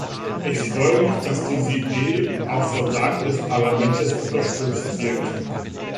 Ich freue mich, dass diese Idee auch von Seiten des Parlaments unterstützt wird.